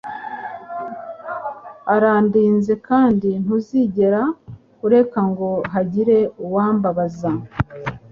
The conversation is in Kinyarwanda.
urandinze kandi ntuzigera ureka ngo hagire uwambabaza